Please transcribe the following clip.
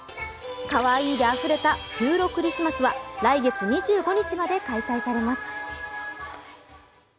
かわいいであふれたピューロクリスマスは来月２５日まで開催されます。